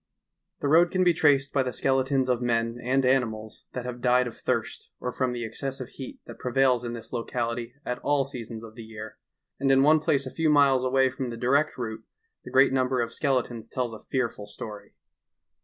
The road ean be traeed by the skeletons of men and animals that have died of thirst or from the exeessive heat that prevails in this loeality at all seasons of the year, and in one plaee a few miles away from the direet route the great number of skeletons tells a fearful story.